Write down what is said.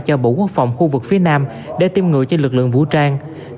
cho bộ quốc phòng khu vực phía nam để tiêm ngừa cho lực lượng vũ trang